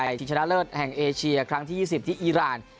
ชิงชนะเลิศแห่งเอเชียครั้งที่๒๐ที่อีราน